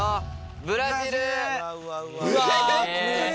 ブラジル？